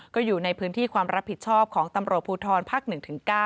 ก็อยู่ในพื้นที่ความรับผิดชอบของตำรวจภูทรภาค๑๙